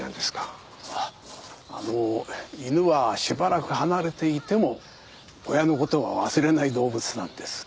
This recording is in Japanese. あの犬はしばらく離れていても親のことは忘れない動物なんです。